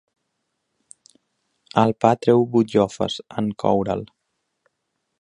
El pa treu butllofes, en coure'l.